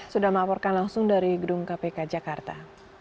sudah melaporkan langsung dari gedung kpk jakarta